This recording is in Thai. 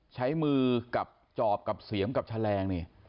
ใช้มือกับจอบกับเสียมกับแฉลงนี่